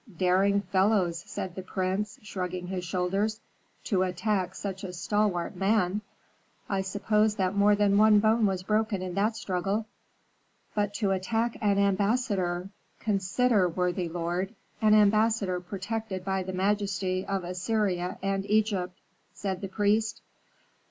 "Daring fellows," said the prince, shrugging his shoulders, "to attack such a stalwart man! I suppose that more than one bone was broken in that struggle." "But to attack an ambassador! Consider, worthy lord, an ambassador protected by the majesty of Assyria and Egypt," said the priest.